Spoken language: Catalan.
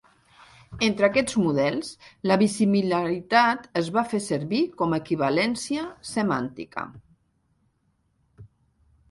Entre aquests models, la bisimilaritat es fa servir com a equivalència semàntica.